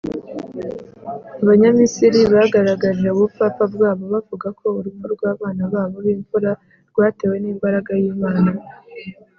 abanyamisiri bagaragaje ubupfapfa bwabo bavuga ko urupfu rw’abana babo b’imfura rwatewe n’imbaraga y’imana.